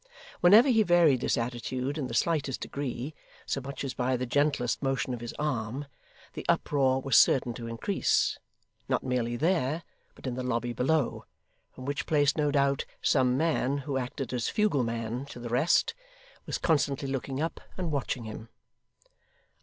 Whenever he varied this attitude in the slightest degree so much as by the gentlest motion of his arm the uproar was certain to increase, not merely there, but in the lobby below; from which place no doubt, some man who acted as fugleman to the rest, was constantly looking up and watching him.